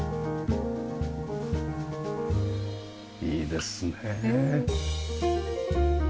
いいですね。